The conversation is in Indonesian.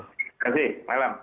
terima kasih malam